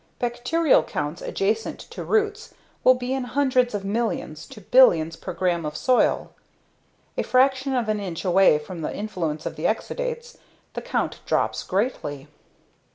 Bacterial counts adjacent to roots will be in hundreds of millions to billions per gram of soil. A fraction of an inch away beyond the influence of the exudates, the count drops greatly.